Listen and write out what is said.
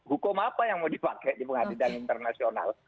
hukum apa yang mau dipakai di pengadilan internasional